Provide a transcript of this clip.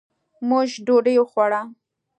مونږ ډوډي وخوړله